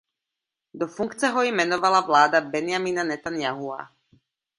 Do funkce ho jmenovala vláda Benjamina Netanjahua.